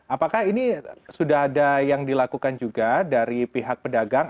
apakah ini sudah ada yang dilakukan juga dari pihak pedagang